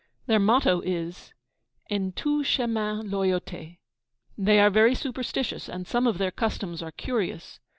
Their motto is, 'En tout chemin loyauté.' They are very superstitious, and some of their customs are curious.